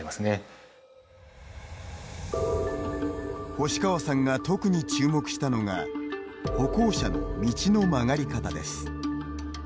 星川さんが特に注目したのが歩行者の道の曲がり方です。